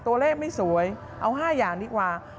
ตัวเลขไม่สวยเอา๕อย่างดีกว่า